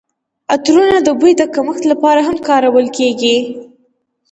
عطرونه د بوی د کمښت لپاره هم کارول کیږي.